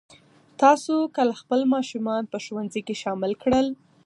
تاسو کله خپل ماشومان په ښوونځي کې شامل کړل؟